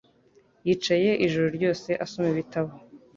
Yicaye ijoro ryose asoma igitabo.